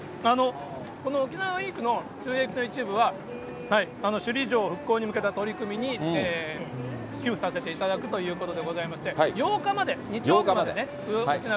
この沖縄ＷＥＥＫ！の収益の一部は、首里城復興に向けた取り組みに寄付させていただくということでございまして、８日まで、日曜日までね、沖縄ＷＥＥＫ！